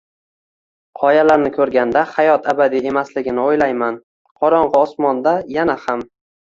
qoyalarni ko'rganda hayot abadiy emasligini o'ylayman. Qorong'i osmonda yana ham